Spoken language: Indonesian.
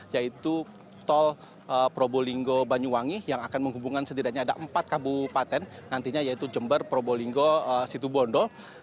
yaitu tol probolinggo banyuwangi yang akan menghubungkan setidaknya ada empat kabupaten nantinya yaitu jember probolinggo situbondo